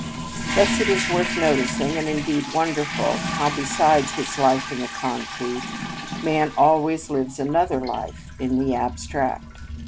Thus it is worth noticing, and indeed wonderful, how, besides his life in the concrete, man always lives another life in the abstract.